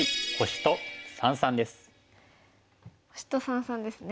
星と三々ですね。